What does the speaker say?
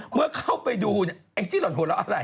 เมื่อเข้าไปดูแอ้งจิ๊ดหล่อนโหละอะไร